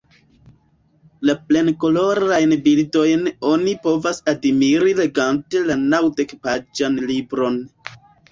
La plenkolorajn bildojn oni povas admiri legante la naŭdekpaĝan libron.